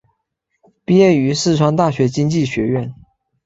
毕业于四川大学经济学院。